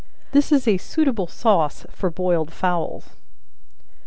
This is a suitable sauce for boiled fowls.